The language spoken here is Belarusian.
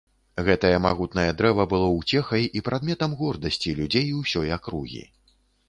Гэтае магутнае дрэва было ўцехай і прадметам гордасці людзей усёй акругі.